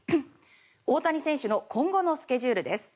大谷選手の今後のスケジュールです。